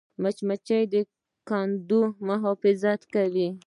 مچمچۍ د کندو محافظت کوي